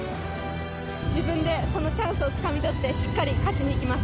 自分でそのチャンスをつかみ取って、しっかり勝ちにいきます。